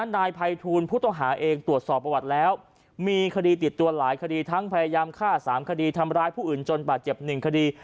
นายภัยทูลผู้ต้องหาเองตรวจสอบประวัติแล้วมีคดีติดตัวหลายคดีทั้งพยายามฆ่า๓คดีทำร้ายผู้อื่นจนบาดเจ็บ๑คดี